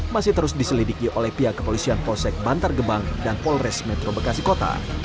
masih terus diselidiki oleh pihak kepolisian polsek bantar gebang dan polres metro bekasi kota